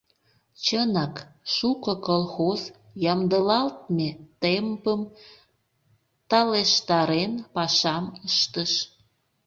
Чынак, шуко колхоз ямдылалтме темпым талештарен пашам ыштыш.